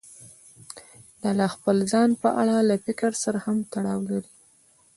دا له خپل ځان په اړه له فکر سره هم تړاو لري.